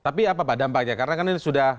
tapi apa pak dampaknya karena kan ini sudah